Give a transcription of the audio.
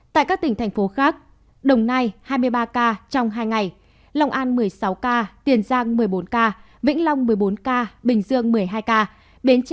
tại các tỉnh thành phố khác đồng nai hai mươi ba ca trong hai ngày lòng an một mươi sáu ca tiền giang một mươi bốn ca vĩnh long một mươi bốn ca bình dương một mươi hai ca bến tre một mươi một ca cần thơ một mươi một ca sóc trang một mươi một ca